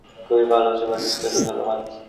খুবই ভালো, তোমার সেবাশুশ্রূষার জন্য ধন্যবাদ।